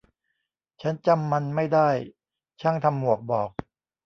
ฉันจำมันไม่ได้ ช่างทำหมวกบอก